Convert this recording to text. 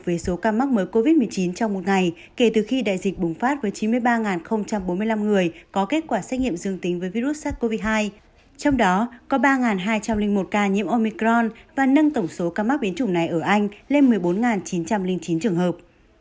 với số ca mắc mới covid một mươi chín trong một ngày kể từ khi đại dịch bùng phát với chín mươi ba bốn mươi năm người có kết quả xét nghiệm dương tính với virus sars cov hai trong đó có ba hai trăm linh một ca nhiễm omicron và nâng tổng số ca mắc biến chủng này ở anh lên một mươi bốn chín trăm linh chín trường hợp